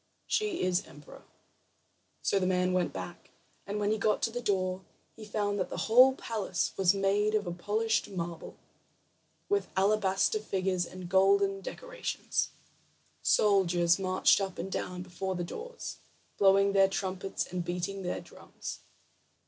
"She is emperor." So the man went back, and when he got to the door, he found that the whole palace was made of polished marble, with alabaster figures and golden decorations. Soldiers marched up and down before the doors, blowing their trumpets and beating their drums.